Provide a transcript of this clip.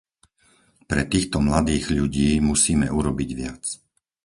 Pre týchto mladých ľudí, musíme urobiť viac.